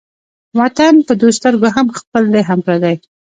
وطن په دوو سترگو هم خپل دى هم پردى.